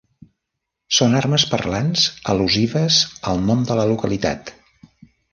Són armes parlants al·lusives al nom de la localitat.